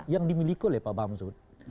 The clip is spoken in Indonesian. yang dimiliki oleh pak bang susatyo